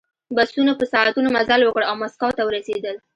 بسونو په ساعتونو مزل وکړ او مسکو ته ورسېدل